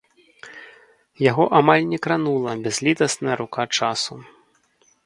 Яго амаль не кранула бязлітасная рука часу.